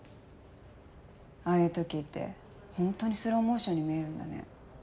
ああいう時ってホントにスローモーションに見えるんだね。